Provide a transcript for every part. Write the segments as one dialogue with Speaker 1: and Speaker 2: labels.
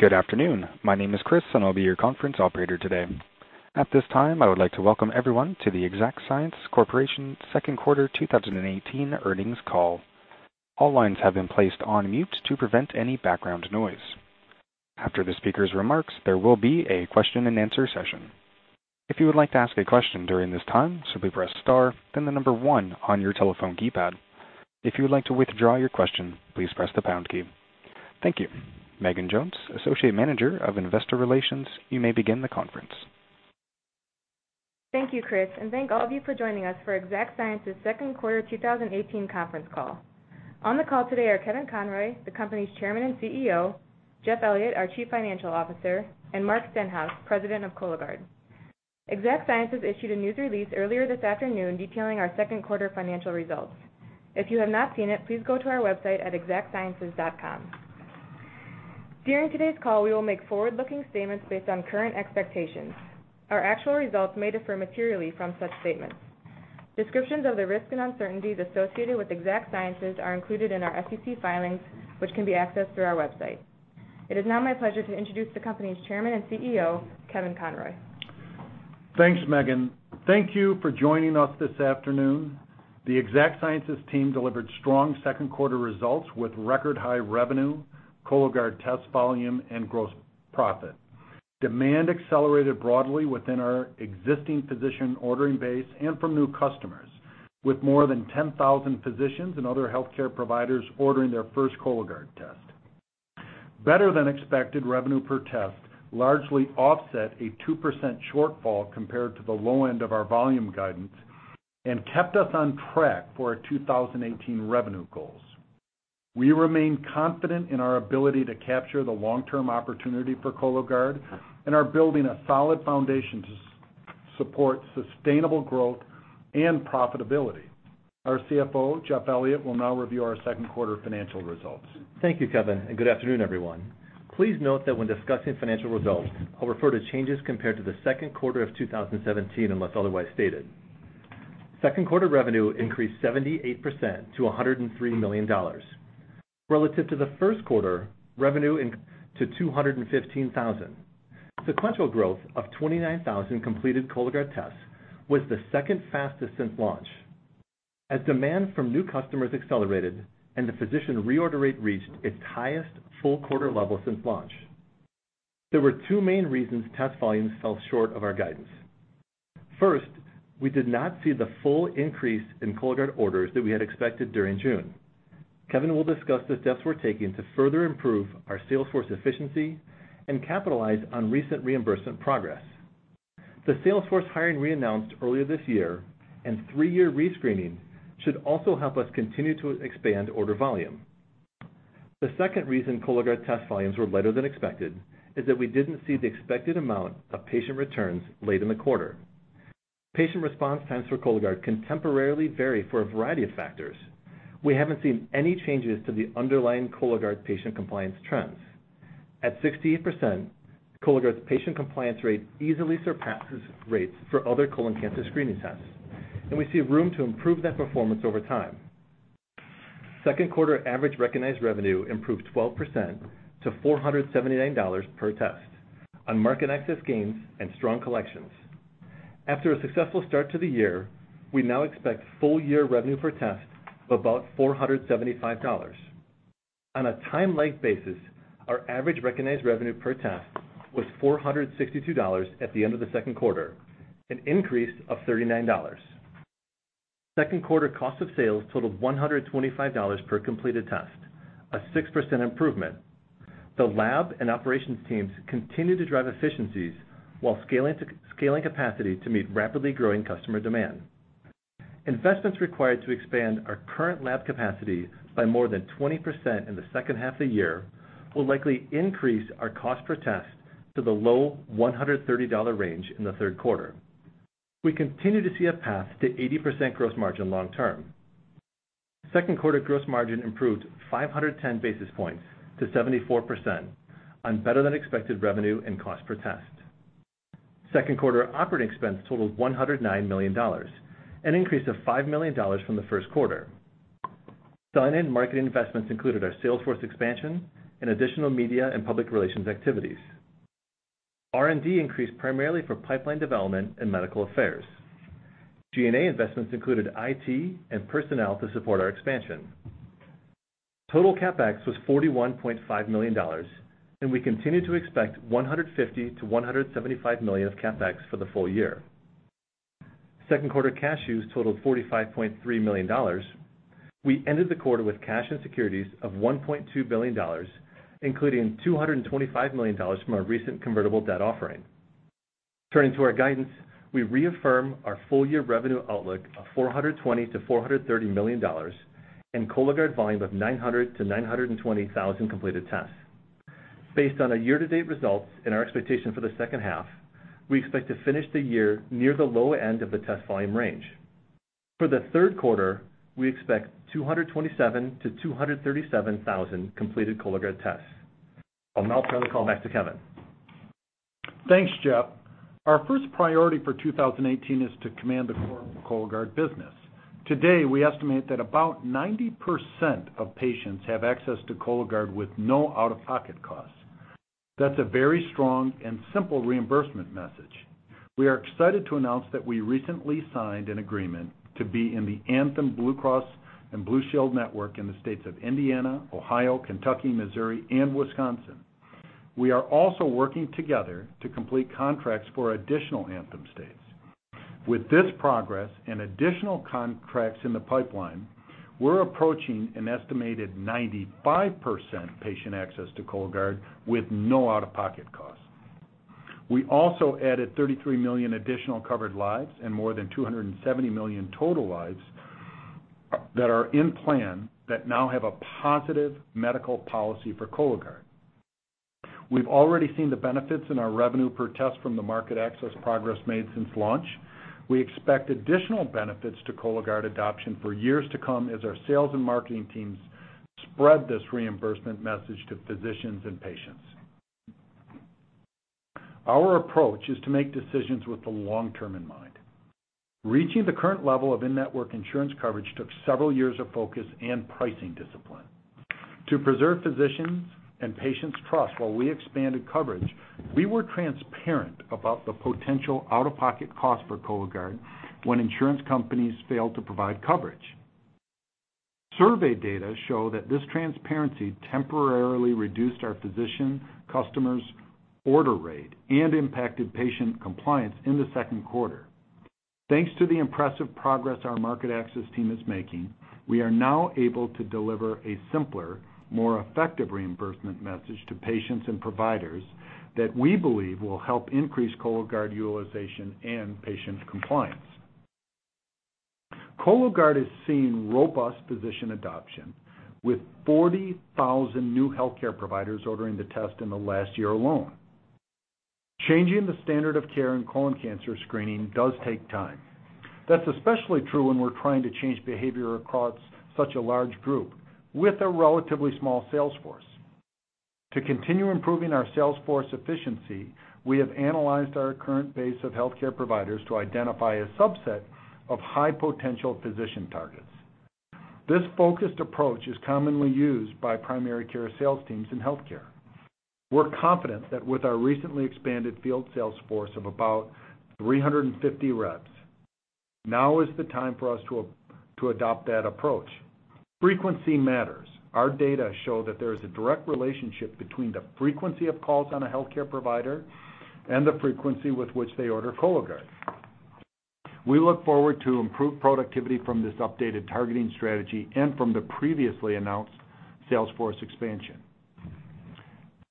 Speaker 1: Good afternoon. My name is Chris, and I'll be your conference operator today. At this time, I would like to welcome everyone to the Exact Sciences Corporation Second Quarter 2018 earnings call. All lines have been placed on mute to prevent any background noise. After the speaker's remarks, there will be a question and answer session. If you would like to ask a question during this time, simply press star, then 1 on your telephone keypad. If you would like to withdraw your question, please press the pound key. Thank you. Megan Jones, Associate Manager of Investor Relations, you may begin the conference.
Speaker 2: Thank you, Chris, thank all of you for joining us for Exact Sciences Second Quarter 2018 conference call. On the call today are Kevin Conroy, the company's Chairman and CEO, Jeff Elliott, our Chief Financial Officer, and Mark Stenhouse, President of Cologuard. Exact Sciences issued a news release earlier this afternoon detailing our second quarter financial results. If you have not seen it, please go to our website at exactsciences.com. During today's call, we will make forward-looking statements based on current expectations. Our actual results may differ materially from such statements. Descriptions of the risks and uncertainties associated with Exact Sciences are included in our SEC filings, which can be accessed through our website. It is now my pleasure to introduce the company's Chairman and CEO, Kevin Conroy.
Speaker 3: Thanks, Megan. Thank you for joining us this afternoon. The Exact Sciences team delivered strong second quarter results with record high revenue, Cologuard test volume, and gross profit. Demand accelerated broadly within our existing physician ordering base and from new customers, with more than 10,000 physicians and other healthcare providers ordering their first Cologuard test. Better than expected revenue per test largely offset a 2% shortfall compared to the low end of our volume guidance and kept us on track for our 2018 revenue goals. We remain confident in our ability to capture the long-term opportunity for Cologuard and are building a solid foundation to support sustainable growth and profitability. Our CFO, Jeff Elliott, will now review our second quarter financial results.
Speaker 4: Thank you, Kevin, good afternoon, everyone. Please note that when discussing financial results, I'll refer to changes compared to the second quarter of 2017, unless otherwise stated. Second quarter revenue increased 78% to $103 million. Relative to the first quarter, revenue increased to 215,000. Sequential growth of 29,000 completed Cologuard tests was the second fastest since launch, as demand from new customers accelerated and the physician reorder rate reached its highest full quarter level since launch. There were two main reasons test volumes fell short of our guidance. First, we did not see the full increase in Cologuard orders that we had expected during June. Kevin will discuss the steps we're taking to further improve our sales force efficiency and capitalize on recent reimbursement progress. The sales force hiring we announced earlier this year and three-year rescreening should also help us continue to expand order volume. The second reason Cologuard test volumes were lighter than expected is that we didn't see the expected amount of patient returns late in the quarter. Patient response times for Cologuard can temporarily vary for a variety of factors. We haven't seen any changes to the underlying Cologuard patient compliance trends. At 68%, Cologuard's patient compliance rate easily surpasses rates for other colon cancer screening tests, and we see room to improve that performance over time. Second quarter average recognized revenue improved 12% to $479 per test on market access gains and strong collections. After a successful start to the year, we now expect full year revenue per test of about $475. On a time length basis, our average recognized revenue per test was $462 at the end of the second quarter, an increase of $39. Second quarter cost of sales totaled $125 per completed test, a 6% improvement. The lab and operations teams continue to drive efficiencies while scaling capacity to meet rapidly growing customer demand. Investments required to expand our current lab capacity by more than 20% in the second half of the year will likely increase our cost per test to the low $130 range in the third quarter. We continue to see a path to 80% gross margin long term. Second quarter gross margin improved 510 basis points to 74% on better than expected revenue and cost per test. Second quarter operating expense totaled $109 million, an increase of $5 million from the first quarter. Marketing investments included our sales force expansion and additional media and public relations activities. R&D increased primarily for pipeline development and medical affairs. G&A investments included IT and personnel to support our expansion. Total CapEx was $41.5 million. We continue to expect $150 million-$175 million of CapEx for the full year. Second quarter cash use totaled $45.3 million. We ended the quarter with cash and securities of $1.2 billion, including $225 million from our recent convertible debt offering. Turning to our guidance, we reaffirm our full year revenue outlook of $420 million-$430 million and Cologuard volume of 900,000-920,000 completed tests. Based on our year-to-date results and our expectation for the second half, we expect to finish the year near the low end of the test volume range. For the third quarter, we expect 227,000-237,000 completed Cologuard tests. I'll now turn the call back to Kevin.
Speaker 3: Thanks, Jeff. Our first priority for 2018 is to command the core of the Cologuard business. Today, we estimate that about 90% of patients have access to Cologuard with no out-of-pocket costs. That's a very strong and simple reimbursement message. We are excited to announce that we recently signed an agreement to be in the Anthem Blue Cross and Blue Shield network in the states of Indiana, Ohio, Kentucky, Missouri, and Wisconsin. We are also working together to complete contracts for additional Anthem states. With this progress and additional contracts in the pipeline, we're approaching an estimated 95% patient access to Cologuard with no out-of-pocket costs. We also added 33 million additional covered lives and more than 270 million total lives that are in plan that now have a positive medical policy for Cologuard. We've already seen the benefits in our revenue per test from the market access progress made since launch. We expect additional benefits to Cologuard adoption for years to come as our sales and marketing teams spread this reimbursement message to physicians and patients. Our approach is to make decisions with the long term in mind. Reaching the current level of in-network insurance coverage took several years of focus and pricing discipline. To preserve physicians' and patients' trust while we expanded coverage, we were transparent about the potential out-of-pocket cost for Cologuard when insurance companies failed to provide coverage. Survey data show that this transparency temporarily reduced our physician customers' order rate and impacted patient compliance in the second quarter. Thanks to the impressive progress our market access team is making, we are now able to deliver a simpler, more effective reimbursement message to patients and providers that we believe will help increase Cologuard utilization and patient compliance. Cologuard is seeing robust physician adoption, with 40,000 new healthcare providers ordering the test in the last year alone. Changing the standard of care in colon cancer screening does take time. That's especially true when we're trying to change behavior across such a large group with a relatively small sales force. To continue improving our sales force efficiency, we have analyzed our current base of healthcare providers to identify a subset of high-potential physician targets. This focused approach is commonly used by primary care sales teams in healthcare. We're confident that with our recently expanded field sales force of about 350 reps, now is the time for us to adopt that approach. Frequency matters. Our data show that there is a direct relationship between the frequency of calls on a healthcare provider and the frequency with which they order Cologuard. We look forward to improved productivity from this updated targeting strategy and from the previously announced sales force expansion.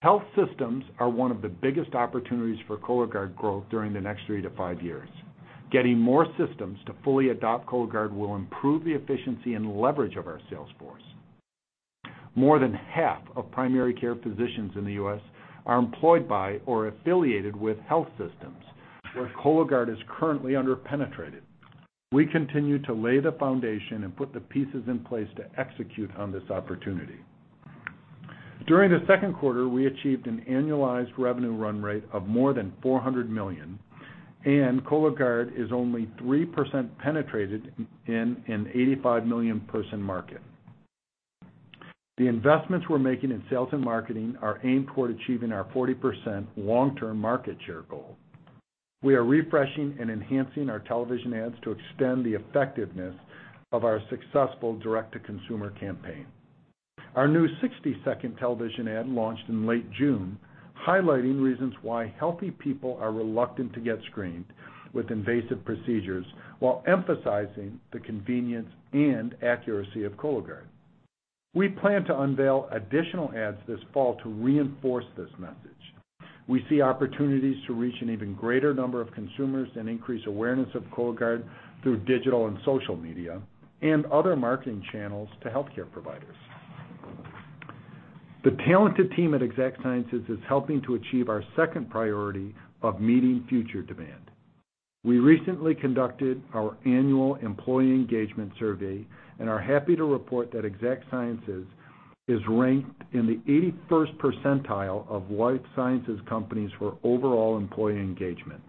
Speaker 3: Health systems are one of the biggest opportunities for Cologuard growth during the next three to five years. Getting more systems to fully adopt Cologuard will improve the efficiency and leverage of our sales force. More than half of primary care physicians in the U.S. are employed by or affiliated with health systems where Cologuard is currently under-penetrated. We continue to lay the foundation and put the pieces in place to execute on this opportunity. During the second quarter, we achieved an annualized revenue run rate of more than $400 million, and Cologuard is only 3% penetrated in an 85-million-person market. The investments we're making in sales and marketing are aimed toward achieving our 40% long-term market share goal. We are refreshing and enhancing our television ads to extend the effectiveness of our successful direct-to-consumer campaign. Our new 60-second television ad launched in late June, highlighting reasons why healthy people are reluctant to get screened with invasive procedures while emphasizing the convenience and accuracy of Cologuard. We plan to unveil additional ads this fall to reinforce this message. We see opportunities to reach an even greater number of consumers and increase awareness of Cologuard through digital and social media and other marketing channels to healthcare providers. The talented team at Exact Sciences is helping to achieve our second priority of meeting future demand. We recently conducted our annual employee engagement survey and are happy to report that Exact Sciences is ranked in the 81st percentile of life sciences companies for overall employee engagement.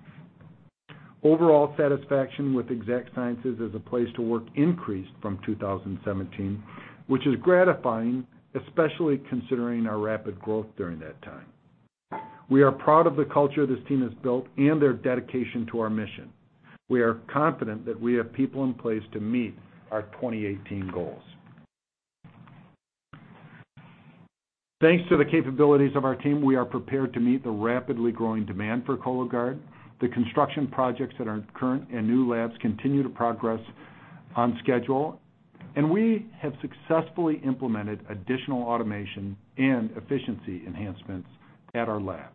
Speaker 3: Overall satisfaction with Exact Sciences as a place to work increased from 2017, which is gratifying, especially considering our rapid growth during that time. We are proud of the culture this team has built and their dedication to our mission. We are confident that we have people in place to meet our 2018 goals. Thanks to the capabilities of our team, we are prepared to meet the rapidly growing demand for Cologuard. The construction projects at our current and new labs continue to progress on schedule, and we have successfully implemented additional automation and efficiency enhancements at our lab.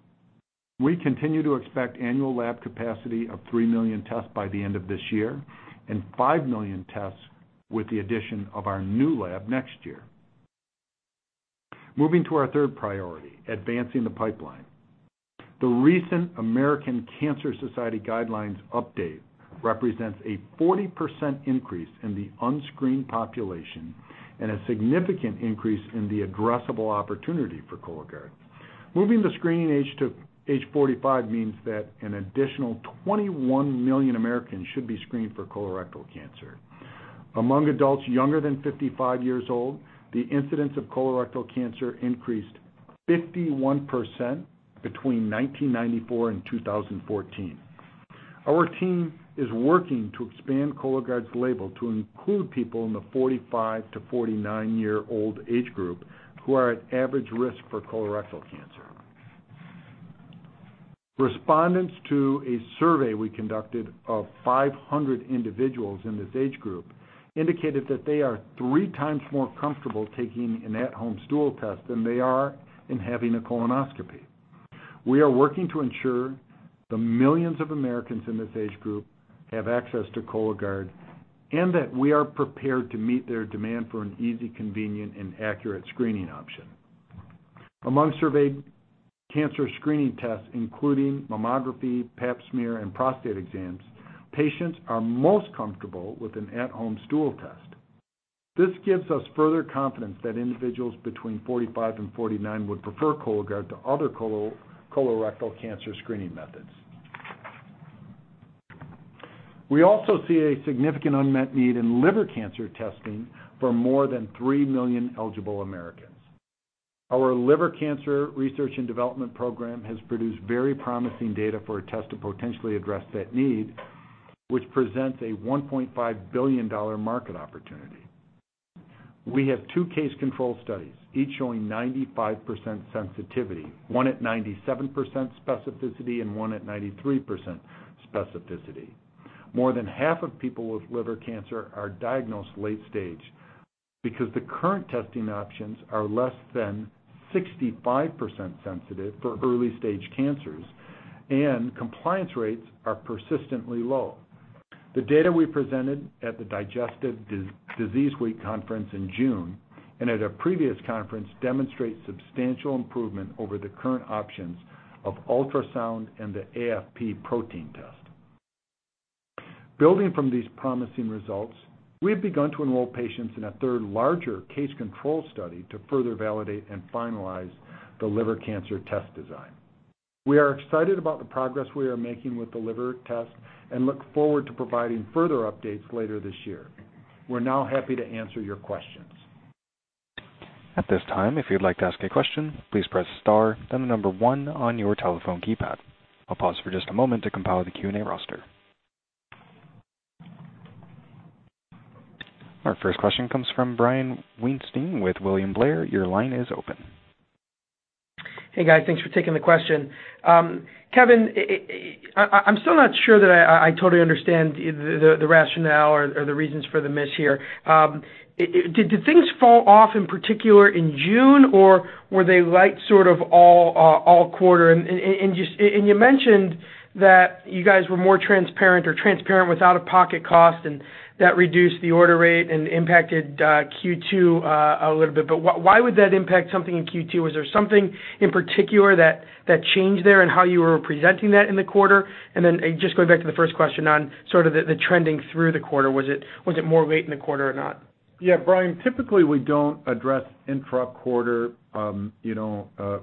Speaker 3: We continue to expect annual lab capacity of 3 million tests by the end of this year and 5 million tests with the addition of our new lab next year. Moving to our third priority, advancing the pipeline. The recent American Cancer Society guidelines update represents a 40% increase in the unscreened population and a significant increase in the addressable opportunity for Cologuard. Moving the screening age to age 45 means that an additional 21 million Americans should be screened for colorectal cancer. Among adults younger than 55 years old, the incidence of colorectal cancer increased 51% between 1994 and 2014. Our team is working to expand Cologuard's label to include people in the 45 to 49-year-old age group who are at average risk for colorectal cancer. Respondents to a survey we conducted of 500 individuals in this age group indicated that they are 3 times more comfortable taking an at-home stool test than they are in having a colonoscopy. We are working to ensure the millions of Americans in this age group have access to Cologuard and that we are prepared to meet their demand for an easy, convenient, and accurate screening option. Among surveyed cancer screening tests, including mammography, Pap smear, and prostate exams, patients are most comfortable with an at-home stool test. This gives us further confidence that individuals between 45 and 49 would prefer Cologuard to other colorectal cancer screening methods. We also see a significant unmet need in liver cancer testing for more than 3 million eligible Americans. Our liver cancer research and development program has produced very promising data for a test to potentially address that need, which presents a $1.5 billion market opportunity. We have 2 case control studies, each showing 95% sensitivity, one at 97% specificity and one at 93% specificity. More than half of people with liver cancer are diagnosed late stage because the current testing options are less than 65% sensitive for early-stage cancers, and compliance rates are persistently low. The data we presented at the Digestive Disease Week conference in June and at a previous conference demonstrate substantial improvement over the current options of ultrasound and the AFP protein test. Building from these promising results, we have begun to enroll patients in a third, larger case control study to further validate and finalize the liver cancer test design. We are excited about the progress we are making with the liver test and look forward to providing further updates later this year. We're now happy to answer your questions.
Speaker 1: At this time, if you'd like to ask a question, please press star, then the number one on your telephone keypad. I'll pause for just a moment to compile the Q&A roster. Our first question comes from Brian Weinstein with William Blair. Your line is open.
Speaker 5: Hey, guys. Thanks for taking the question. Kevin, I'm still not sure that I totally understand the rationale or the reasons for the miss here. Did things fall off in particular in June, or were they light sort of all quarter? You mentioned that you guys were more transparent or transparent with out-of-pocket cost, and that reduced the order rate and impacted Q2 a little bit, but why would that impact something in Q2? Was there something in particular that changed there in how you were presenting that in the quarter? Just going back to the first question on sort of the trending through the quarter, was it more weight in the quarter or not?
Speaker 3: Yeah, Brian, typically we don't address intra-quarter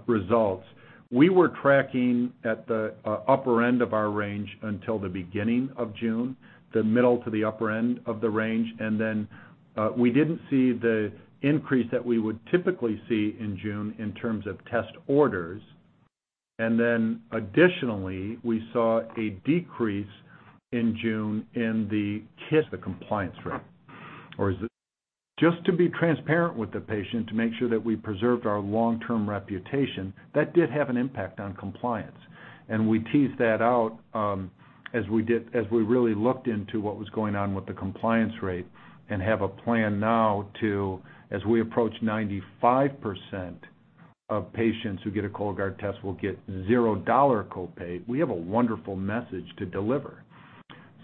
Speaker 3: results. We were tracking at the upper end of our range until the beginning of June, the middle to the upper end of the range. We didn't see the increase that we would typically see in June in terms of test orders. Additionally, we saw a decrease in June in the compliance rate. Just to be transparent with the patient to make sure that we preserved our long-term reputation, that did have an impact on compliance. We teased that out as we really looked into what was going on with the compliance rate and have a plan now to, as we approach 95% of patients who get a Cologuard test will get $0 copay. We have a wonderful message to deliver.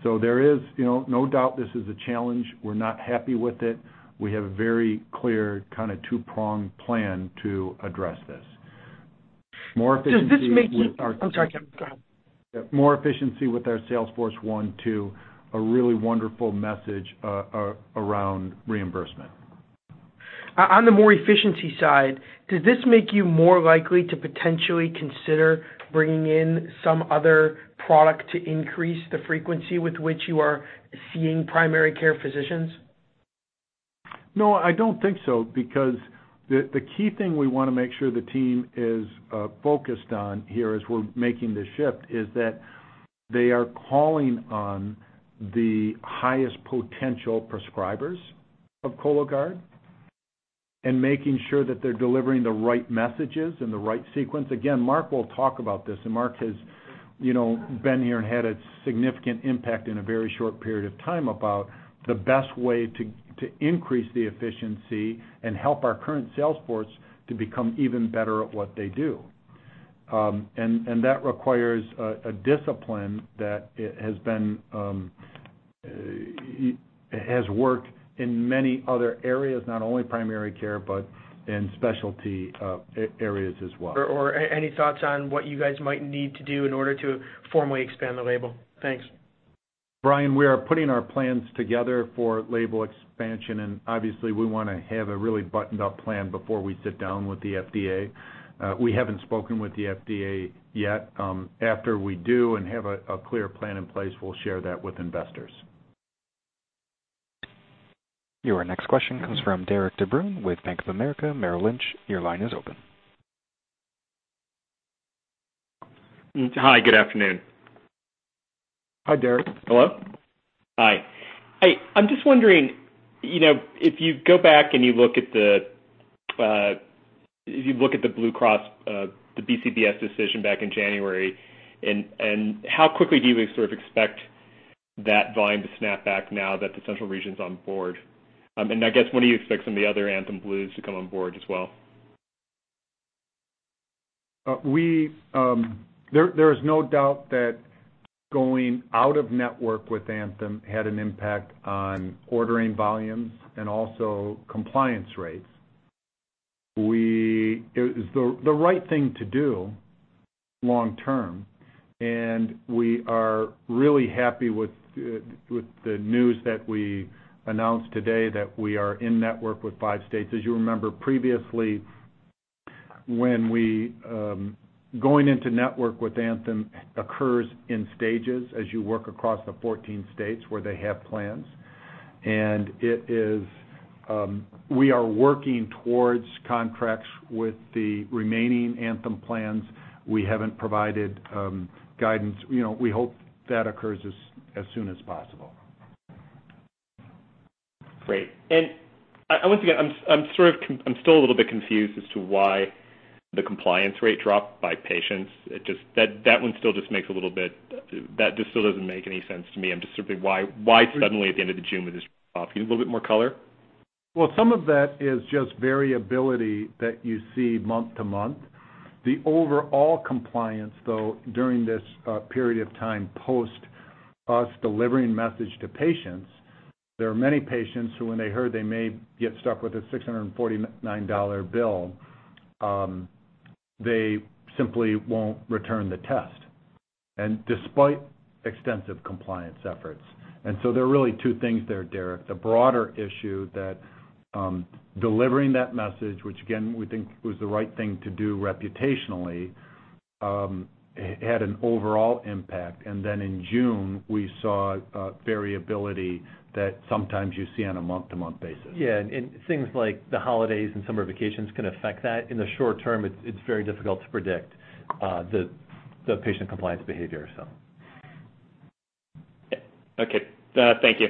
Speaker 3: There is no doubt this is a challenge. We're not happy with it. We have a very clear kind of two-pronged plan to address this.
Speaker 5: Does this make you-
Speaker 3: More efficiency with our-
Speaker 5: I'm sorry, Kevin. Go ahead.
Speaker 3: More efficiency with our sales force, one, two, a really wonderful message around reimbursement.
Speaker 5: On the more efficiency side, does this make you more likely to potentially consider bringing in some other product to increase the frequency with which you are seeing primary care physicians?
Speaker 3: No, I don't think so because the key thing we want to make sure the team is focused on here as we're making this shift is that they are calling on the highest potential prescribers of Cologuard and making sure that they're delivering the right messages in the right sequence. Again, Mark will talk about this, and Mark has been here and had a significant impact in a very short period of time about the best way to increase the efficiency and help our current sales force to become even better at what they do. That requires a discipline that has worked in many other areas, not only primary care, but in specialty areas as well.
Speaker 5: Any thoughts on what you guys might need to do in order to formally expand the label? Thanks.
Speaker 3: Brian, we are putting our plans together for label expansion, obviously, we want to have a really buttoned-up plan before we sit down with the FDA. We haven't spoken with the FDA yet. After we do and have a clear plan in place, we'll share that with investors.
Speaker 1: Your next question comes from Derik de Bruin with Bank of America Merrill Lynch. Your line is open.
Speaker 6: Hi, good afternoon.
Speaker 3: Hi, Derik.
Speaker 6: Hello. Hi. I'm just wondering, if you go back and you look at the Blue Cross, the BCBS decision back in January, how quickly do you sort of expect that volume to snap back now that the central region's on board? I guess, when do you expect some of the other Anthem Blues to come on board as well?
Speaker 3: There is no doubt that going out of network with Anthem had an impact on ordering volumes and also compliance rates. It was the right thing to do long term, we are really happy with the news that we announced today that we are in-network with 5 states. As you remember previously, going into network with Anthem occurs in stages as you work across the 14 states where they have plans. We are working towards contracts with the remaining Anthem plans. We haven't provided guidance. We hope that occurs as soon as possible.
Speaker 6: Great. Once again, I'm still a little bit confused as to why the compliance rate dropped by patients. That just still doesn't make any sense to me. I'm just wondering why suddenly at the end of the June, it just dropped. Can you give a little bit more color?
Speaker 3: Well, some of that is just variability that you see month to month. The overall compliance, though, during this period of time, post us delivering message to patients, there are many patients who, when they heard they may get stuck with a $649 bill, they simply won't return the test, despite extensive compliance efforts. There are really two things there, Derik. The broader issue that delivering that message, which again, we think was the right thing to do reputationally had an overall impact. Then in June, we saw variability that sometimes you see on a month-to-month basis.
Speaker 4: Yeah, things like the holidays and summer vacations can affect that. In the short term, it's very difficult to predict the patient compliance behavior.
Speaker 6: Okay. Thank you.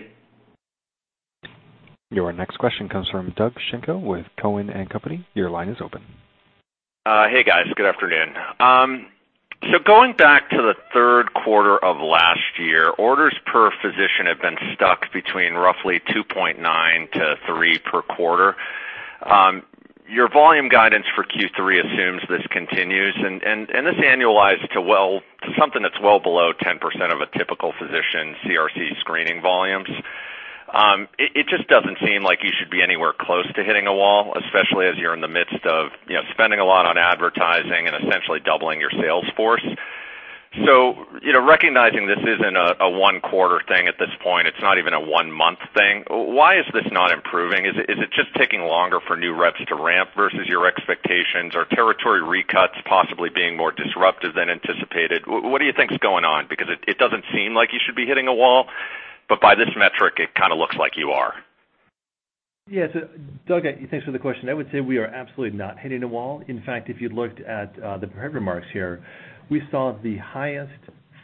Speaker 1: Your next question comes from Doug Schenkel with Cowen and Company. Your line is open.
Speaker 7: Hey, guys. Good afternoon. Going back to the third quarter of last year, orders per physician have been stuck between roughly 2.9 to 3 per quarter. Your volume guidance for Q3 assumes this continues, this annualized to something that's well below 10% of a typical physician CRC screening volumes. It just doesn't seem like you should be anywhere close to hitting a wall, especially as you're in the midst of spending a lot on advertising and essentially doubling your sales force. Recognizing this isn't a one-quarter thing at this point, it's not even a one-month thing, why is this not improving? Is it just taking longer for new reps to ramp versus your expectations? Are territory recuts possibly being more disruptive than anticipated? What do you think is going on? It doesn't seem like you should be hitting a wall, but by this metric, it kind of looks like you are.
Speaker 4: Yeah. Doug, thanks for the question. I would say we are absolutely not hitting a wall. In fact, if you looked at the prepared remarks here, we saw the highest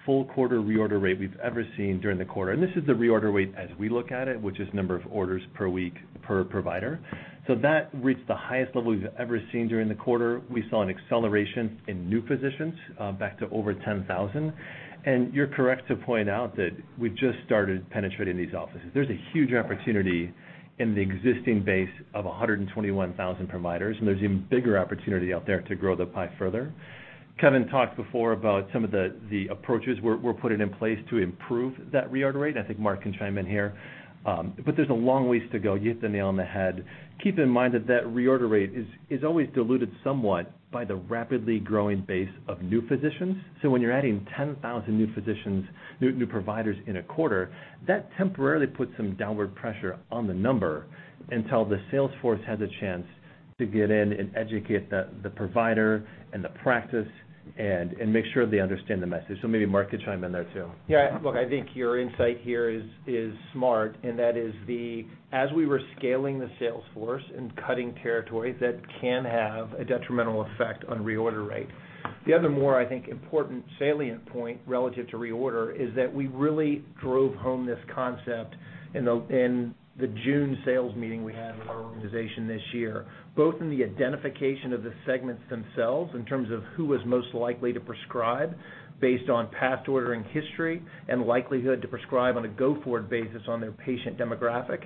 Speaker 4: full quarter reorder rate we've ever seen during the quarter. This is the reorder rate as we look at it, which is number of orders per week per provider. That reached the highest level we've ever seen during the quarter. We saw an acceleration in new physicians back to over 10,000. You're correct to point out that we just started penetrating these offices. There's a huge opportunity in the existing base of 121,000 providers, and there's even bigger opportunity out there to grow the pie further. Kevin talked before about some of the approaches we're putting in place to improve that reorder rate. I think Mark can chime in here. There's a long ways to go. You hit the nail on the head. Keep in mind that that reorder rate is always diluted somewhat by the rapidly growing base of new physicians. When you're adding 10,000 new physicians, new providers in a quarter, that temporarily puts some downward pressure on the number until the sales force has a chance to get in and educate the provider and the practice and make sure they understand the message. Maybe Mark could chime in there too.
Speaker 8: Yeah, look, I think your insight here is smart, and that is as we were scaling the sales force and cutting territories, that can have a detrimental effect on reorder rate. The other more, I think, important salient point relative to reorder is that we really drove home this concept in the June sales meeting we had with our organization this year, both in the identification of the segments themselves in terms of who was most likely to prescribe based on past ordering history and likelihood to prescribe on a go-forward basis on their patient demographic.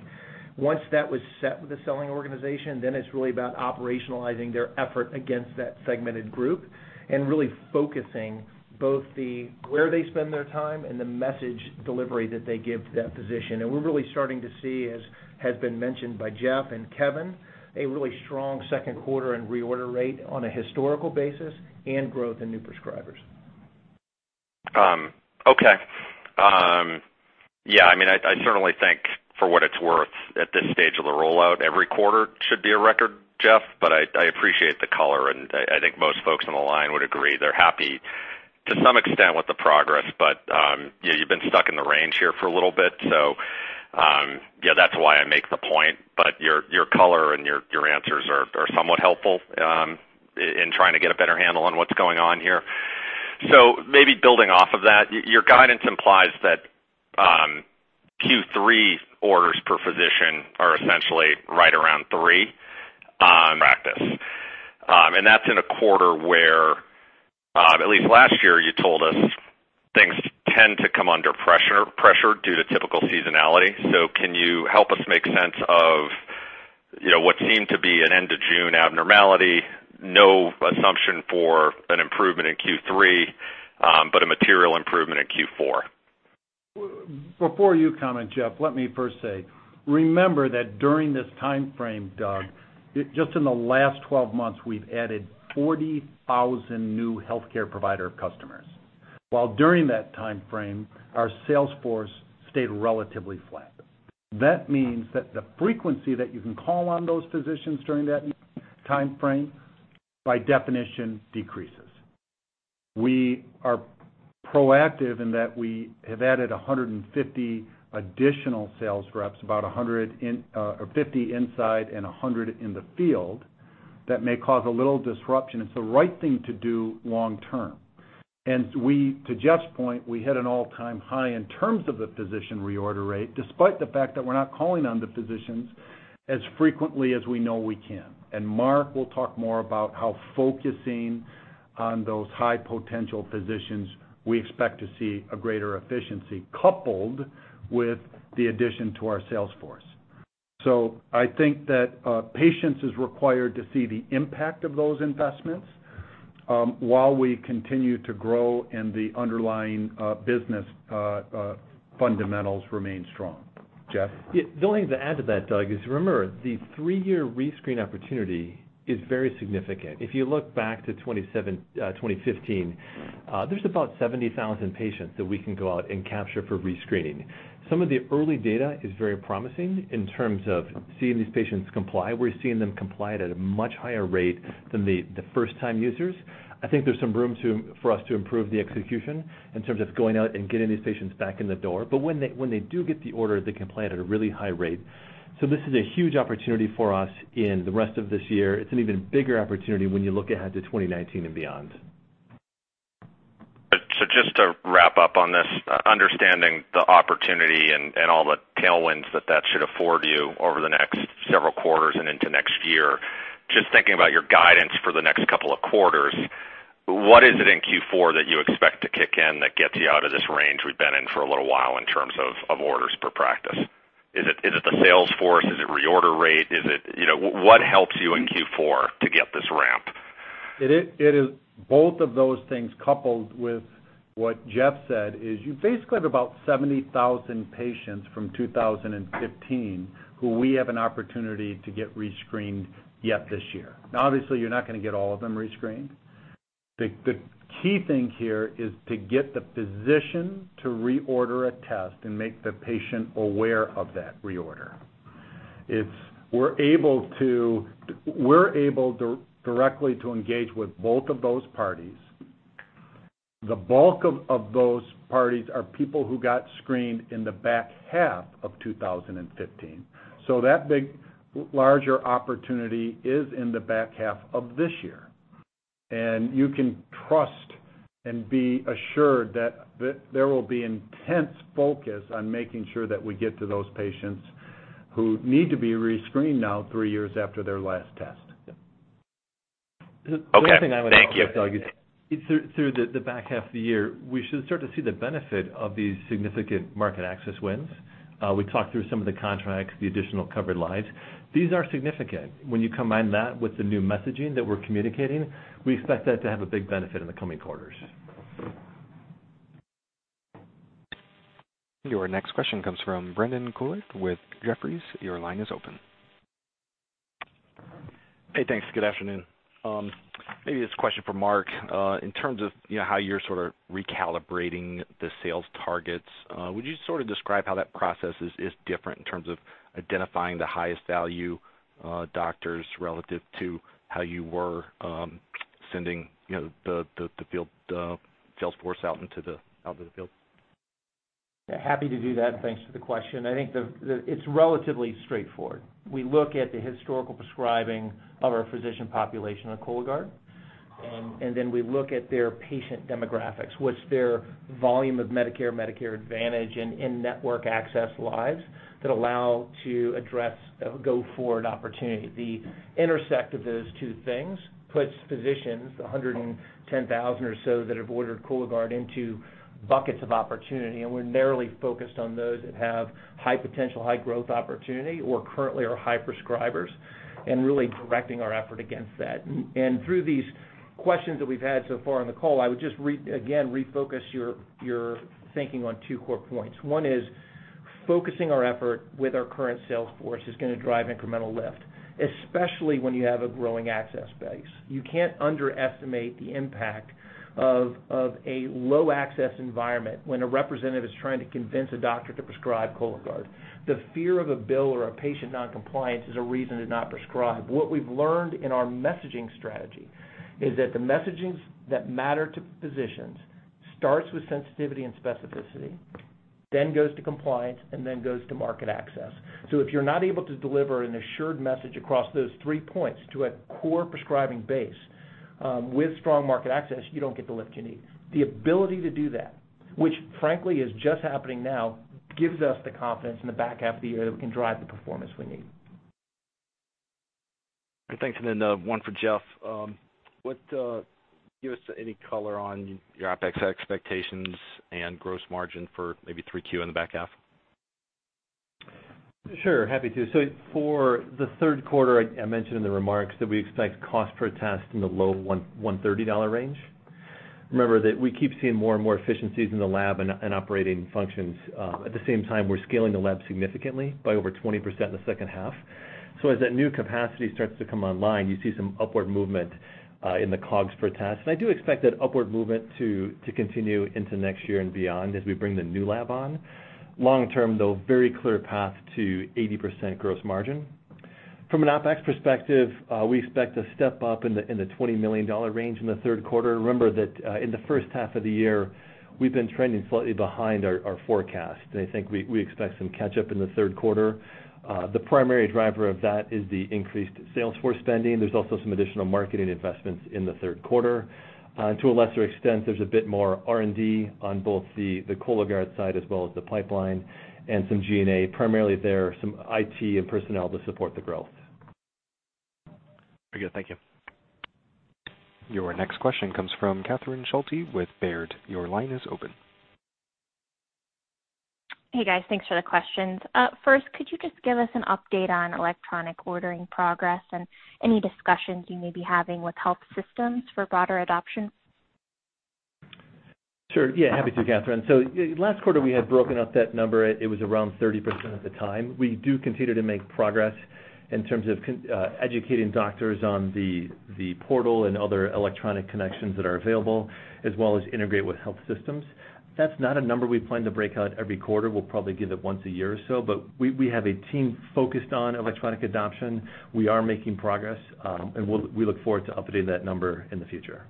Speaker 8: Once that was set with the selling organization, it's really about operationalizing their effort against that segmented group and really focusing both the where they spend their time and the message delivery that they give to that physician. We're really starting to see, as has been mentioned by Jeff and Kevin, a really strong second quarter and reorder rate on a historical basis, and growth in new prescribers.
Speaker 7: Okay. Yeah, I certainly think for what it's worth at this stage of the rollout, every quarter should be a record, Jeff, but I appreciate the color, and I think most folks on the line would agree they're happy to some extent with the progress. You've been stuck in the range here for a little bit, so, yeah, that's why I make the point, but your color and your answers are somewhat helpful in trying to get a better handle on what's going on here. Maybe building off of that, your guidance implies that Q3 orders per physician are essentially right around 3 on practice. That's in a quarter where, at least last year, you told us things tend to come under pressure due to typical seasonality. Can you help us make sense of what seemed to be an end of June abnormality, no assumption for an improvement in Q3, but a material improvement in Q4?
Speaker 3: Before you comment, Jeff, let me first say, remember that during this timeframe, Doug, just in the last 12 months, we've added 40,000 new healthcare provider customers, while during that timeframe, our sales force stayed relatively flat. That means that the frequency that you can call on those physicians during that timeframe, by definition, decreases. We are proactive in that we have added 150 additional sales reps, about 50 inside and 100 in the field. That may cause a little disruption. It's the right thing to do long-term. To Jeff's point, we hit an all-time high in terms of the physician reorder rate, despite the fact that we're not calling on the physicians as frequently as we know we can. Mark will talk more about how focusing on those high potential physicians, we expect to see a greater efficiency coupled with the addition to our sales force. I think that patience is required to see the impact of those investments, while we continue to grow and the underlying business fundamentals remain strong. Jeff?
Speaker 4: The only thing to add to that, Doug, is remember, the three-year rescreen opportunity is very significant. If you look back to 2015, there's about 70,000 patients that we can go out and capture for rescreening. Some of the early data is very promising in terms of seeing these patients comply. We're seeing them comply at a much higher rate than the first-time users. I think there's some room for us to improve the execution in terms of going out and getting these patients back in the door. When they do get the order, they comply at a really high rate. This is a huge opportunity for us in the rest of this year. It's an even bigger opportunity when you look ahead to 2019 and beyond.
Speaker 7: Just to wrap up on this, understanding the opportunity and all the tailwinds that that should afford you over the next several quarters and into next year, just thinking about your guidance for the next couple of quarters, what is it in Q4 that you expect to kick in that gets you out of this range we've been in for a little while in terms of orders per practice? Is it the sales force? Is it reorder rate? What helps you in Q4 to get this ramp?
Speaker 3: It is both of those things coupled with what Jeff said is you basically have about 70,000 patients from 2015 who we have an opportunity to get re-screened yet this year. Now, obviously, you're not going to get all of them re-screened. The key thing here is to get the physician to reorder a test and make the patient aware of that reorder. We're able directly to engage with both of those parties. The bulk of those parties are people who got screened in the back half of 2015. That big, larger opportunity is in the back half of this year. You can trust and be assured that there will be intense focus on making sure that we get to those patients who need to be re-screened now, three years after their last test.
Speaker 7: Okay. Thank you.
Speaker 4: The only thing I would offer, Doug, is through the back half of the year, we should start to see the benefit of these significant market access wins. We talked through some of the contracts, the additional covered lives. These are significant. When you combine that with the new messaging that we're communicating, we expect that to have a big benefit in the coming quarters.
Speaker 1: Your next question comes from Brandon Couillard with Jefferies. Your line is open.
Speaker 9: Hey, thanks. Good afternoon. Maybe this is a question for Mark. In terms of how you're sort of recalibrating the sales targets, would you sort of describe how that process is different in terms of identifying the highest value doctors relative to how you were sending the sales force out into the field?
Speaker 8: Happy to do that. Thanks for the question. I think it's relatively straightforward. We look at the historical prescribing of our physician population of Cologuard, then we look at their patient demographics. What's their volume of Medicare Advantage, and in-network access lives that allow to address a go-forward opportunity? The intersect of those two things puts physicians, 110,000 or so, that have ordered Cologuard into buckets of opportunity, and we're narrowly focused on those that have high potential, high growth opportunity or currently are high prescribers and really directing our effort against that. Through these questions that we've had so far on the call, I would just, again, refocus your thinking on two core points. One is
Speaker 3: Focusing our effort with our current sales force is going to drive incremental lift, especially when you have a growing access base. You can't underestimate the impact of a low access environment when a representative is trying to convince a doctor to prescribe Cologuard. The fear of a bill or a patient non-compliance is a reason to not prescribe. What we've learned in our messaging strategy is that the messaging that matter to physicians starts with sensitivity and specificity, then goes to compliance, and then goes to market access. If you're not able to deliver an assured message across those three points to a core prescribing base with strong market access, you don't get the lift you need. The ability to do that, which frankly is just happening now, gives us the confidence in the back half of the year that we can drive the performance we need.
Speaker 9: Thanks. Then, one for Jeff. Give us any color on your OpEx expectations and gross margin for maybe three Q in the back half.
Speaker 4: Sure, happy to. For the third quarter, I mentioned in the remarks that we expect cost per test in the low $130 range. Remember that we keep seeing more and more efficiencies in the lab and operating functions. At the same time, we're scaling the lab significantly by over 20% in the second half. As that new capacity starts to come online, you see some upward movement, in the COGS per test. I do expect that upward movement to continue into next year and beyond as we bring the new lab on. Long-term, though, very clear path to 80% gross margin. From an OpEx perspective, we expect to step up in the $20 million range in the third quarter. Remember that in the first half of the year, we've been trending slightly behind our forecast, I think we expect some catch-up in the third quarter. The primary driver of that is the increased sales force spending. There's also some additional marketing investments in the third quarter. To a lesser extent, there's a bit more R&D on both the Cologuard side as well as the pipeline and some G&A, primarily there some IT and personnel to support the growth.
Speaker 9: Very good. Thank you.
Speaker 1: Your next question comes from Catherine Schulte with Baird. Your line is open.
Speaker 10: Hey, guys. Thanks for the questions. First, could you just give us an update on electronic ordering progress and any discussions you may be having with health systems for broader adoption?
Speaker 4: Sure. Yeah, happy to, Catherine. Last quarter, we had broken out that number. It was around 30% at the time. We do continue to make progress in terms of educating doctors on the portal and other electronic connections that are available, as well as integrate with health systems. That's not a number we plan to break out every quarter. We'll probably give it once a year or so, but we have a team focused on electronic adoption. We are making progress, and we look forward to updating that number in the future.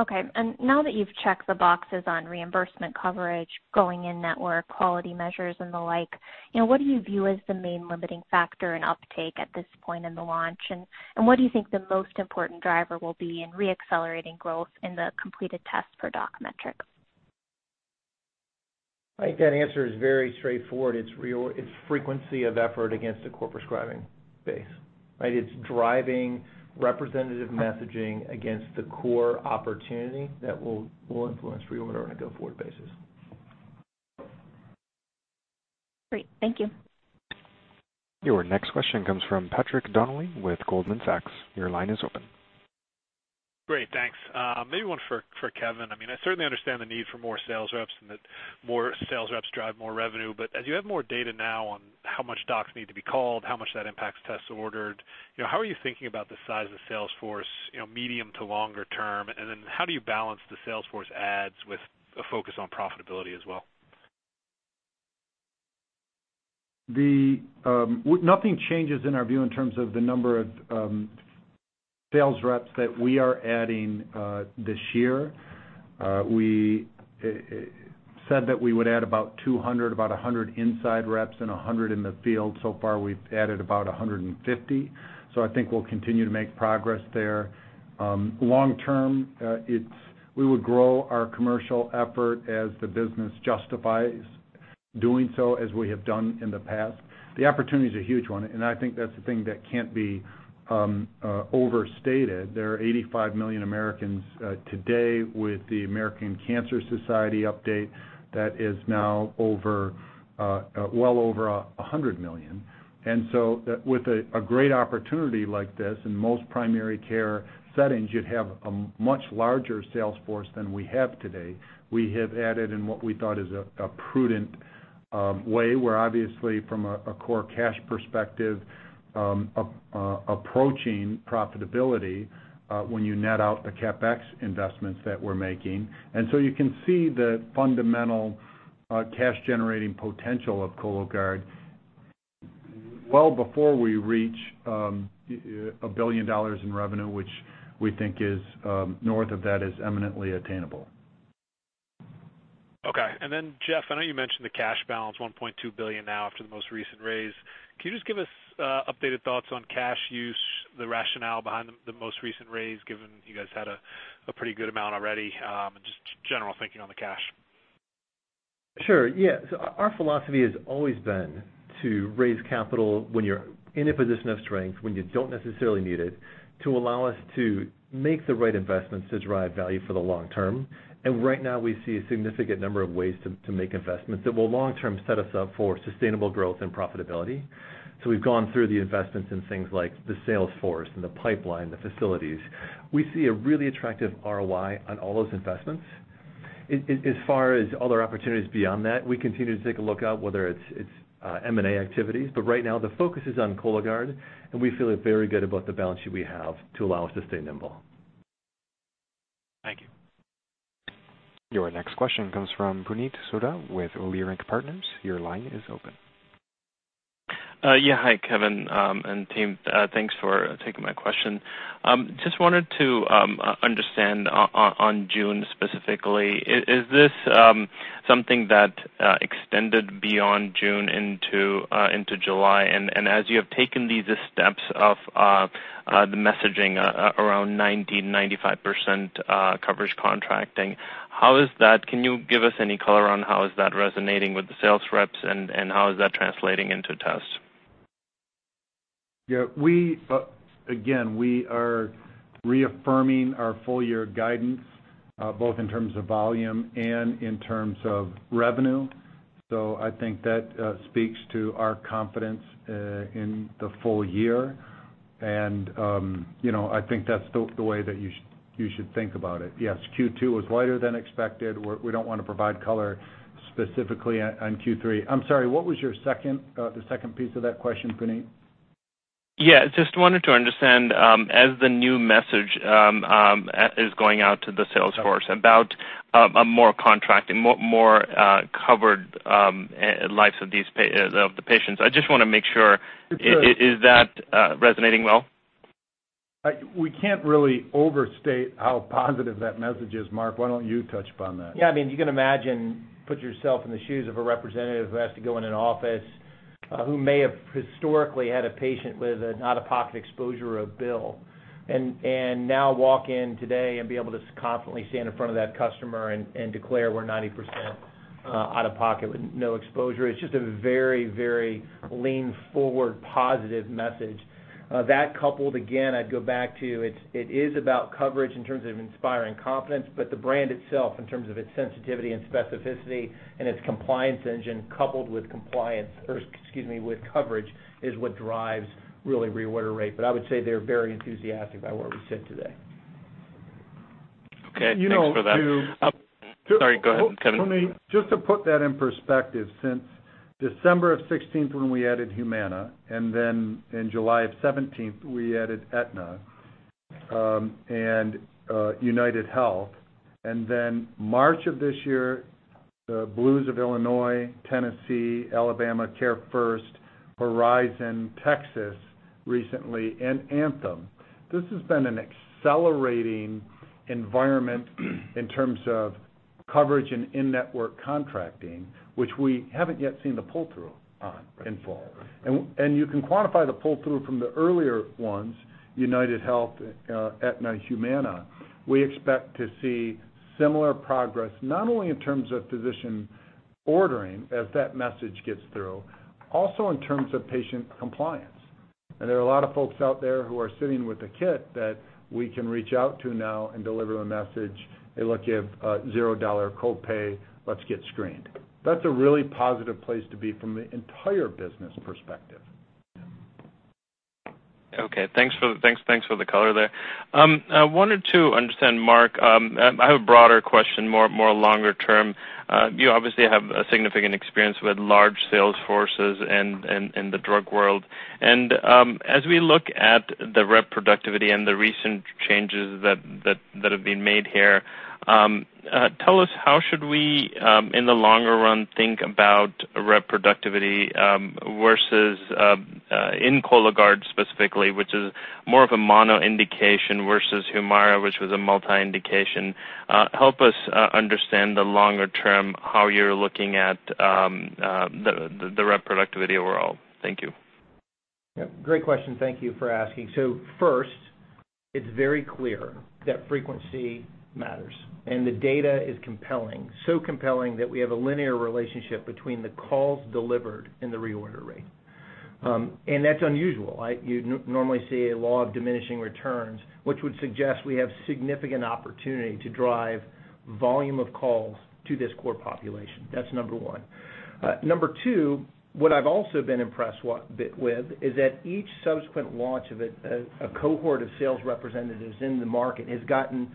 Speaker 10: Okay. Now that you've checked the boxes on reimbursement coverage, going in network, quality measures, and the like, what do you view as the main limiting factor in uptake at this point in the launch? What do you think the most important driver will be in re-accelerating growth in the completed tests per doc metric?
Speaker 3: I think that answer is very straightforward. It's frequency of effort against a core prescribing base, right? It's driving representative messaging against the core opportunity that will influence reorder on a go-forward basis.
Speaker 10: Great. Thank you.
Speaker 1: Your next question comes from Patrick Donnelly with Goldman Sachs. Your line is open.
Speaker 11: Great, thanks. Maybe one for Kevin. I certainly understand the need for more sales reps and that more sales reps drive more revenue. As you have more data now on how much docs need to be called, how much that impacts tests ordered, how are you thinking about the size of the sales force medium to longer term? How do you balance the sales force adds with a focus on profitability as well?
Speaker 3: Nothing changes in our view in terms of the number of sales reps that we are adding this year. We said that we would add about 200, about 100 inside reps and 100 in the field. So far, we've added about 150. I think we'll continue to make progress there. Long-term, we would grow our commercial effort as the business justifies doing so, as we have done in the past. The opportunity is a huge one, and I think that's the thing that can't be overstated. There are 85 million Americans today with the American Cancer Society update that is now well over 100 million. With a great opportunity like this, in most primary care settings, you'd have a much larger sales force than we have today. We have added in what we thought is a prudent way. We're obviously, from a core cash perspective, approaching profitability when you net out the CapEx investments that we're making. You can see the fundamental cash-generating potential of Cologuard well before we reach $1 billion in revenue, which we think is north of that is eminently attainable.
Speaker 11: Okay. Jeff, I know you mentioned the cash balance, $1.2 billion now after the most recent raise. Can you just give us updated thoughts on cash use, the rationale behind the most recent raise, given you guys had a pretty good amount already, and just general thinking on the cash?
Speaker 4: Sure. Yeah. Our philosophy has always been to raise capital when you're in a position of strength, when you don't necessarily need it, to allow us to make the right investments to drive value for the long term. Right now, we see a significant number of ways to make investments that will long term set us up for sustainable growth and profitability. We've gone through the investments in things like the sales force and the pipeline, the facilities. We see a really attractive ROI on all those investments.
Speaker 3: As far as other opportunities beyond that, we continue to take a look out whether it's M&A activities. Right now, the focus is on Cologuard, and we feel very good about the balance sheet we have to allow us to stay nimble.
Speaker 11: Thank you.
Speaker 1: Your next question comes from Puneet Souda with Leerink Partners. Your line is open.
Speaker 12: Yeah. Hi, Kevin and team. Thanks for taking my question. Just wanted to understand on June specifically, is this something that extended beyond June into July? As you have taken these steps of the messaging around 90%, 95% coverage contracting, can you give us any color on how is that resonating with the sales reps and how is that translating into tests?
Speaker 3: Yeah. Again, we are reaffirming our full-year guidance, both in terms of volume and in terms of revenue. I think that speaks to our confidence in the full year. I think that's the way that you should think about it. Yes, Q2 was lighter than expected. We don't want to provide color specifically on Q3. I'm sorry, what was the second piece of that question, Puneet?
Speaker 12: Yeah, just wanted to understand as the new message is going out to the sales force about more contract and more covered lives of the patients. I just want to make sure, is that resonating well?
Speaker 3: We can't really overstate how positive that message is. Mark, why don't you touch upon that?
Speaker 8: Yeah, you can imagine, put yourself in the shoes of a representative who has to go in an office who may have historically had a patient with an out-of-pocket exposure or a bill, and now walk in today and be able to confidently stand in front of that customer and declare we're 90% out-of-pocket with no exposure. It's just a very lean forward, positive message. That coupled, again, I'd go back to, it is about coverage in terms of inspiring confidence, but the brand itself, in terms of its sensitivity and specificity and its compliance engine coupled with coverage is what drives, really, reorder rate. I would say they're very enthusiastic about where we sit today.
Speaker 12: Okay. Thanks for that.
Speaker 3: You know.
Speaker 12: Sorry, go ahead, Kevin.
Speaker 3: Puneet, just to put that in perspective, since December of 2016, when we added Humana, then in July of 2017, we added Aetna and UnitedHealth, then March of this year, the Blues of Illinois, Tennessee, Alabama, CareFirst, Horizon, Texas recently, and Anthem. This has been an accelerating environment in terms of coverage and in-network contracting, which we haven't yet seen the pull-through on in full. You can quantify the pull-through from the earlier ones, UnitedHealth, Aetna, Humana. We expect to see similar progress, not only in terms of physician ordering as that message gets through, also in terms of patient compliance. There are a lot of folks out there who are sitting with a kit that we can reach out to now and deliver a message. "Hey, look, you have a $0 copay. Let's get screened." That's a really positive place to be from an entire business perspective.
Speaker 12: Okay. Thanks for the color there. I wanted to understand, Mark, I have a broader question, more longer term. You obviously have a significant experience with large sales forces in the drug world. As we look at the rep productivity and the recent changes that have been made here, tell us how should we, in the longer run, think about rep productivity versus in Cologuard specifically, which is more of a mono indication versus HUMIRA, which was a multi indication. Help us understand the longer term, how you're looking at the rep productivity overall. Thank you.
Speaker 8: Yep. Great question. Thank you for asking. First, it's very clear that frequency matters, and the data is compelling. Compelling that we have a linear relationship between the calls delivered and the reorder rate. That's unusual, right? You'd normally see a law of diminishing returns, which would suggest we have significant opportunity to drive volume of calls to this core population. That's number one. Number two, what I've also been impressed with is that each subsequent launch of a cohort of sales representatives in the market has gotten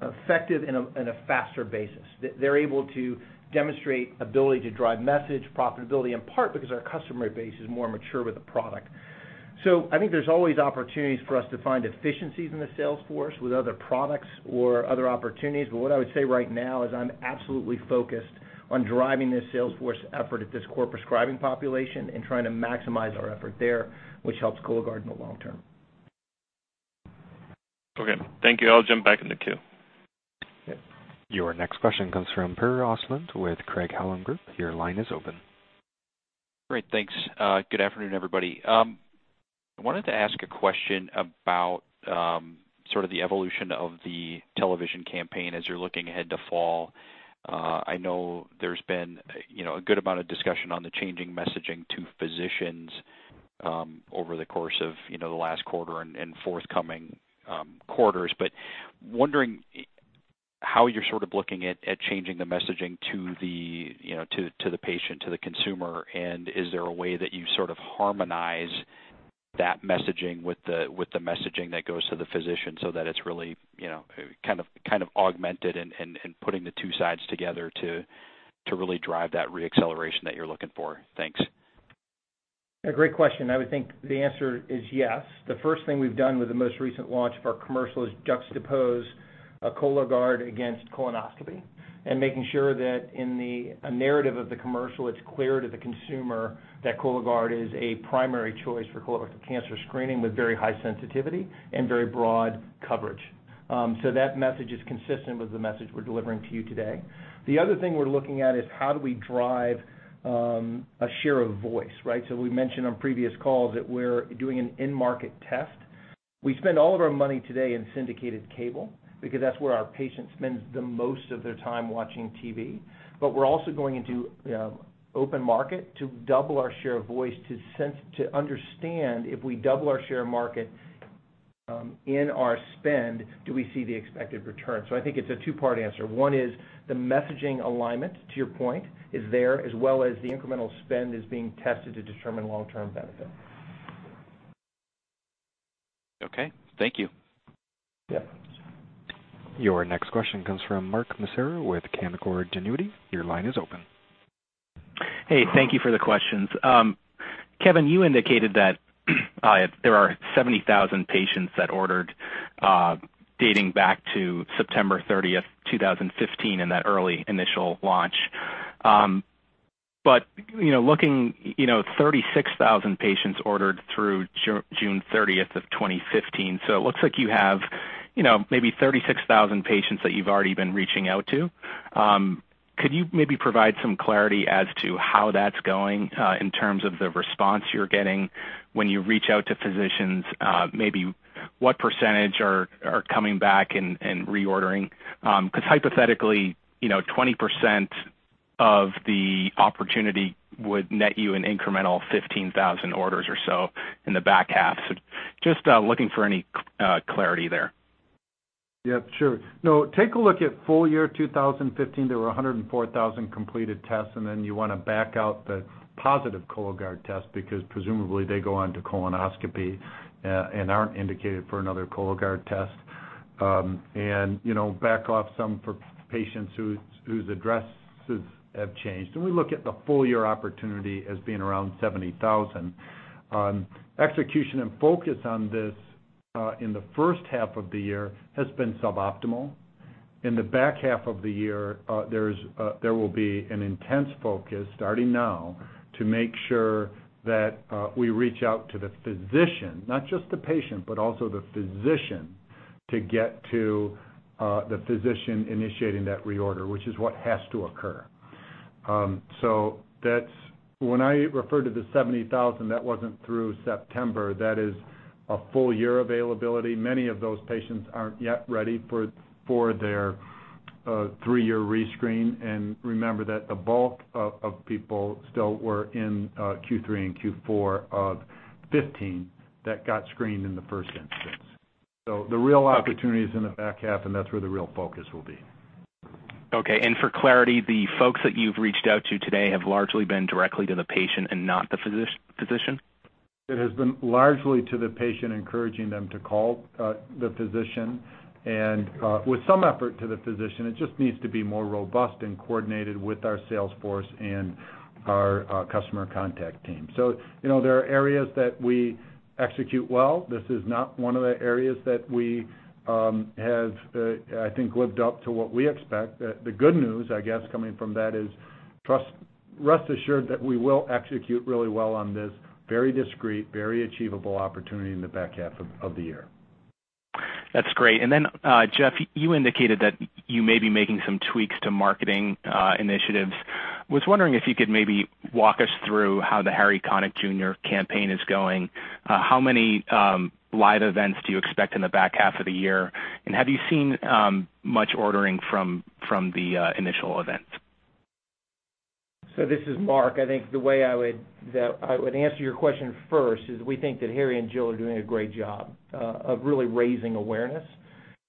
Speaker 8: effective in a faster basis. They're able to demonstrate ability to drive message profitability, in part because our customer base is more mature with the product. I think there's always opportunities for us to find efficiencies in the sales force with other products or other opportunities. What I would say right now is I'm absolutely focused on driving this sales force effort at this core prescribing population and trying to maximize our effort there, which helps Cologuard in the long term.
Speaker 12: Okay. Thank you. I'll jump back in the queue.
Speaker 1: Okay. Your next question comes from Perry Osment with Craig-Hallum Capital Group. Your line is open.
Speaker 13: Great. Thanks. Good afternoon, everybody. I wanted to ask a question about sort of the evolution of the television campaign as you're looking ahead to fall. I know there's been a good amount of discussion on the changing messaging to physicians over the course of the last quarter and forthcoming quarters. Wondering how you're sort of looking at changing the messaging to the patient, to the consumer, and is there a way that you sort of harmonize that messaging with the messaging that goes to the physician so that it's really kind of augmented and putting the two sides together to really drive that re-acceleration that you're looking for. Thanks.
Speaker 8: A great question. I would think the answer is yes. The first thing we've done with the most recent launch of our commercial is juxtapose a Cologuard against colonoscopy and making sure that in the narrative of the commercial, it's clear to the consumer that Cologuard is a primary choice for colorectal cancer screening with very high sensitivity and very broad coverage. That message is consistent with the message we're delivering to you today. The other thing we're looking at is how do we drive a share of voice, right? We mentioned on previous calls that we're doing an in-market test. We spend all of our money today in syndicated cable because that's where our patient spends the most of their time watching TV. We're also going into open market to double our share of voice to understand if we double our share of market in our spend, do we see the expected return? I think it's a two-part answer. One is the messaging alignment, to your point, is there, as well as the incremental spend is being tested to determine long-term benefit.
Speaker 13: Okay. Thank you.
Speaker 8: Yeah.
Speaker 1: Your next question comes from Mark Massaro with Canaccord Genuity. Your line is open.
Speaker 14: Hey, thank you for the questions. Kevin, you indicated that there are 70,000 patients that ordered dating back to September 30th, 2015, in that early initial launch. Looking, 36,000 patients ordered through June 30th of 2015. It looks like you have maybe 36,000 patients that you've already been reaching out to. Could you maybe provide some clarity as to how that's going in terms of the response you're getting when you reach out to physicians? Maybe what % are coming back and reordering? Because hypothetically, 20% of the opportunity would net you an incremental 15,000 orders or so in the back half. Just looking for any clarity there.
Speaker 3: Yeah, sure. Take a look at full year 2015. There were 104,000 completed tests. You want to back out the positive Cologuard tests because presumably they go on to colonoscopy, and aren't indicated for another Cologuard test. Back off some for patients whose addresses have changed. We look at the full year opportunity as being around 70,000. Execution and focus on this, in the first half of the year has been suboptimal. In the back half of the year, there will be an intense focus starting now to make sure that we reach out to the physician, not just the patient, but also the physician to get to the physician initiating that reorder, which is what has to occur. When I refer to the 70,000, that wasn't through September. That is a full year availability. Many of those patients aren't yet ready for their three-year rescreen. Remember that the bulk of people still were in Q3 and Q4 of 2015 that got screened in the first instance. The real opportunity is in the back half, and that's where the real focus will be.
Speaker 14: Okay. For clarity, the folks that you've reached out to today have largely been directly to the patient and not the physician?
Speaker 3: It has been largely to the patient, encouraging them to call the physician and with some effort to the physician. It just needs to be more robust and coordinated with our sales force and our customer contact team. There are areas that we execute well. This is not one of the areas that we have, I think, lived up to what we expect. The good news, I guess, coming from that is rest assured that we will execute really well on this very discreet, very achievable opportunity in the back half of the year.
Speaker 14: That's great. Then, Jeff, you indicated that you may be making some tweaks to marketing initiatives. Was wondering if you could maybe walk us through how the Harry Connick, Jr. campaign is going. How many live events do you expect in the back half of the year, and have you seen much ordering from the initial events?
Speaker 8: This is Mark. I think the way I would answer your question first is we think that Harry and Jill are doing a great job of really raising awareness.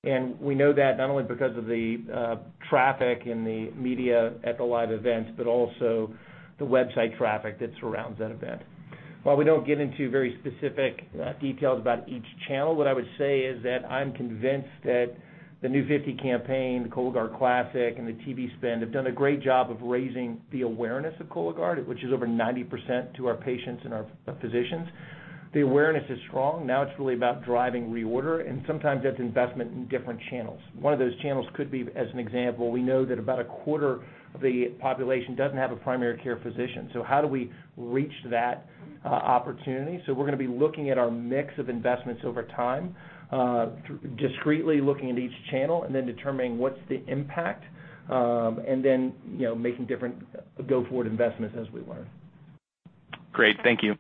Speaker 8: We know that not only because of the traffic and the media at the live events, but also the website traffic that surrounds that event. While we don't get into very specific details about each channel, what I would say is that I'm convinced that The New 50 campaign, Cologuard Classic, and the TV spend have done a great job of raising the awareness of Cologuard, which is over 90% to our patients and our physicians. The awareness is strong. Now it's really about driving reorder, and sometimes that's investment in different channels. One of those channels could be, as an example, we know that about a quarter of the population doesn't have a primary care physician. How do we reach that opportunity? We're going to be looking at our mix of investments over time, discretely looking at each channel, determining what's the impact, and making different go-forward investments as we learn.
Speaker 14: Great. Thank you.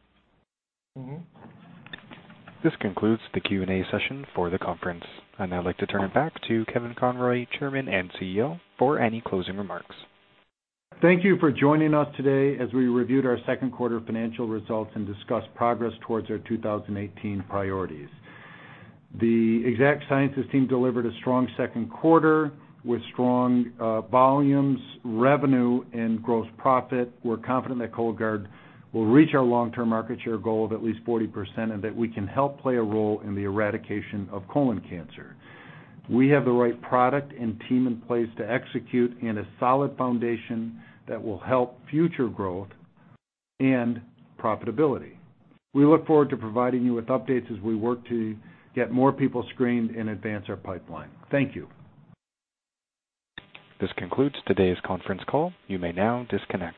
Speaker 1: This concludes the Q&A session for the conference. I'd now like to turn it back to Kevin Conroy, Chairman and CEO, for any closing remarks.
Speaker 3: Thank you for joining us today as we reviewed our second quarter financial results and discussed progress towards our 2018 priorities. The Exact Sciences team delivered a strong second quarter with strong volumes, revenue, and gross profit. We're confident that Cologuard will reach our long-term market share goal of at least 40% and that we can help play a role in the eradication of colon cancer. We have the right product and team in place to execute and a solid foundation that will help future growth and profitability. We look forward to providing you with updates as we work to get more people screened and advance our pipeline. Thank you.
Speaker 1: This concludes today's conference call. You may now disconnect.